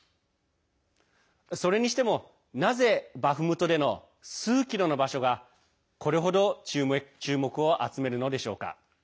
それにしてもなぜバフムトでの数キロの場所がこれ程、注目を集めるのでしょうか？